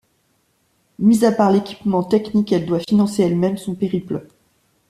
Mis à part l'équipement technique, elle doit financer elle-même son périple.